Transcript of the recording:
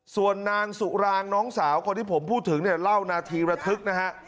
ส่วนนางสุรางน้องสาวคนที่ผมพูดถึงเนี่ยเล่านาทีระทึกนะฮะ